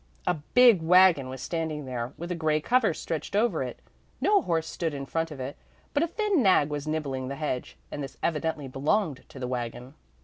A big wagon was standing there, with a grey cover stretched over it. No horse stood in front of it, but a thin nag was nibbling the hedge, and this evidently belonged to the wagon.